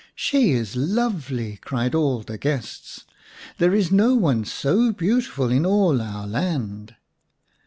" She is lovely !" cried all the guests. " There is no one so beautiful in all our land